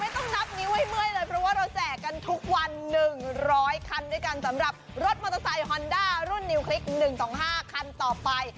ต้องนับนิ้วให้เมื่อยเลยเพราะว่าเราแจกกันทุกวัน๑๐๐คันด้วยกันสำหรับรถมอเตอร์ไซค์ฮอนด้ารุ่นนิวคลิก๑๒๕คันต่อไป